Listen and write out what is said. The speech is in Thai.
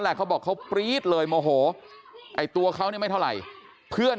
เขาบอกเขาปรี๊ดเลยโมโหไอ้ตัวเขาเนี่ยไม่เท่าไหร่เพื่อน